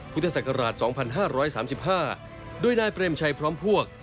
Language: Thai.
พุทธศักราช๒๕๓๕โดยนายเปรมชัยพร้อมพวก